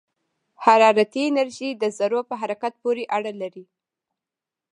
حرارتي انرژي د ذرّو په حرکت پورې اړه لري.